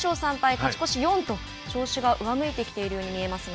勝ち越し４と調子が上向いてきているように見えますが。